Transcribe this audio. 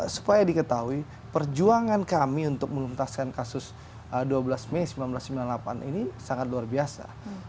supaya diketahui perjuangan kami untuk menuntaskan kasus dua belas mei seribu sembilan ratus sembilan puluh delapan ini sangat luar biasa